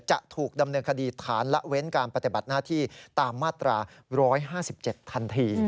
จะถูกดำเนินคดีฐานละเว้นการปฏิบัติหน้าที่ตามมาตรา๑๕๗ทันที